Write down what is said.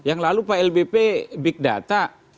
yang lalu pak lbp big data